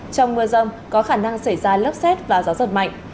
trong mưa rông có khả năng xảy ra lốc xét và gió giật mạnh